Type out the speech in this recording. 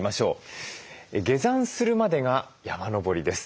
下山するまでが山登りです。